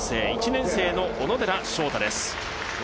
１年生の小野寺将太です。